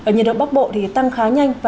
nhật độ bốc bộ thì tăng khá nhanh